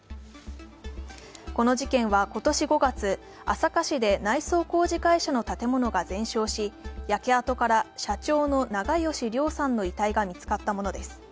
この事件は、今年５月朝霞市で内装工事会社の建物が全焼し焼け跡から社長の長葭良さんの遺体が見つかったものです。